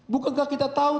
bukankah kita tahu